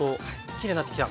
きれいになってきた！